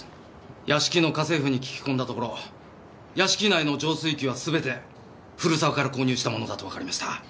屋敷の家政婦に聞き込んだところ屋敷内の浄水器は全て古沢から購入したものだとわかりました。